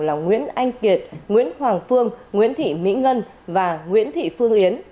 là nguyễn anh kiệt nguyễn hoàng phương nguyễn thị mỹ ngân và nguyễn thị phương yến